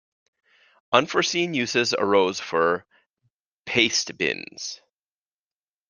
Unforeseen uses arose for pastebins.